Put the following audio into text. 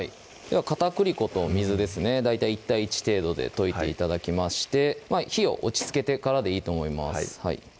片栗粉と水ですね大体１対１程度で溶いて頂きまして火を落ち着けてからでいいと思います